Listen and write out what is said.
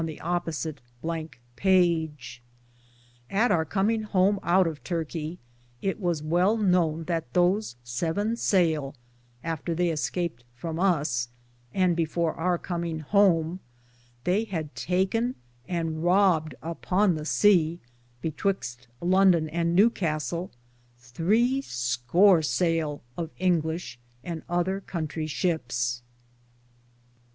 II ^ [At our cominge home out of Turkic it was well knowne that those seven saile, after they escaped from us, and before our coming home, they had taken and Robed upon the seae, betwyxt London and New Castell, thre score sayle of Inglishe and other contrie ships.